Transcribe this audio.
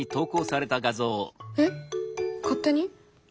えっ勝手に？